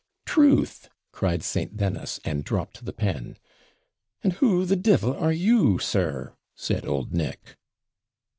'TRUTH!' cried St. Dennis, and dropped the pen. 'And who the devil are you, sir?' said old Nick.